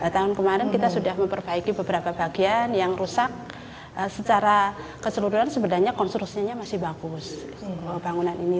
tahun kemarin kita sudah memperbaiki beberapa bagian yang rusak secara keseluruhan sebenarnya konstruksinya masih bagus bangunan ini